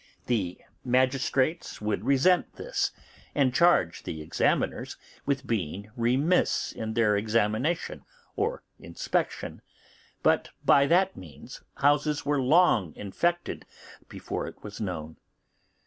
The magistrates would resent this, and charge the examiners with being remiss in their examination or inspection. But by that means houses were long infected before it was known.